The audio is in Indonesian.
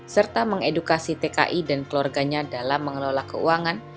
serta mengedukasi tki dan keluarganya dalam mengelola keuangan